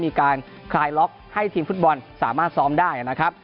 คลายล็อกให้ทีมฟุตบอลสามารถซ้อมได้นะครับ